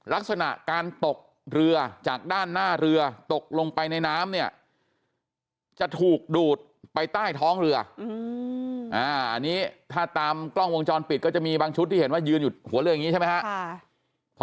ลักษณะการตกเรือจากด้านหน้าเรือตกลงไปในน้ำเนี่ยจะถูกดูดไปใต้ท้องเรืออันนี้ถ้าตามกล้องวงจรปิดก็จะมีบางชุดที่เห็นว่ายืนอยู่หัวเรืออย่างนี้ใช่ไหมครับ